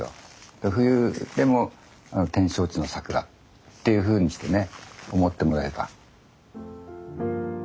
で冬でも展勝地の桜っていうふうにしてね思ってもらえば。